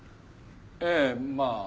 ええまあ。